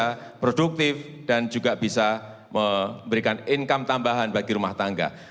bisa produktif dan juga bisa memberikan income tambahan bagi rumah tangga